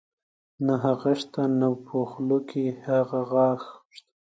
نۀ هغه شته نۀ پۀ خولۀ کښې هغه غاخ شته